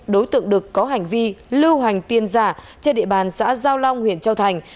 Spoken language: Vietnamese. đối tượng đực có hành vi lưu hành tiền giả trên địa bàn xã giao long huyện châu thành